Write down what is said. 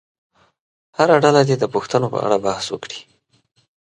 هره ډله دې د پوښتنو په اړه بحث وکړي.